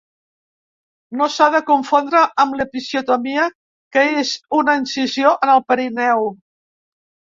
No s'ha de confondre amb l'episiotomia, que és una incisió en el perineu.